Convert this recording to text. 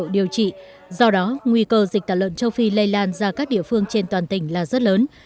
do đó nguy cơ dịch tả lợn châu phi lây lan ra các địa phương trên toàn tỉnh là rất lớn